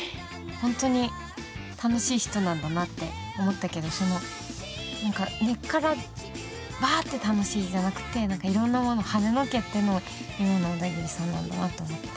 本当に楽しい人なんだなって思ったけど何か根っからわって楽しいじゃなくて何かいろんなものをはねのけての今の小田切さんなんだなと思って。